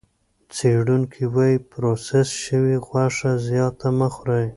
څېړونکي وايي پروسس شوې غوښه زیاته مه خورئ.